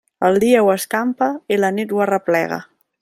El dia ho escampa i la nit ho arreplega.